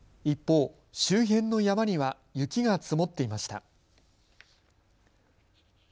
一方、周辺の山には雪が積もっていました。